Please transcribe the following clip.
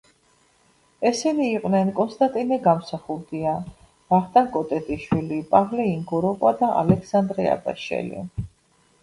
ესენი იყვნენ: კონსტანტინე გამსახურდია, ვახტანგ კოტეტიშვილი, პავლე ინგოროყვა და ალექსანდრე აბაშელი.